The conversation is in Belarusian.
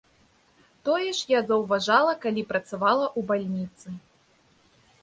Тое ж я заўважала, калі працавала ў бальніцы.